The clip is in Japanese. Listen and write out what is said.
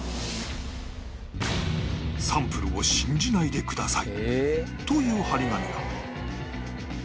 「サンプルを信じないでください」という貼り紙が